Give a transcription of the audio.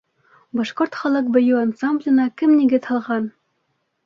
Башҡорт халыҡ бейеү ансамбленә кем нигеҙ һалған?